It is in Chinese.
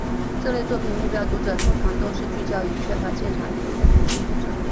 这类作品目标读者通常都是聚焦于缺乏鉴赏能力的年轻读者。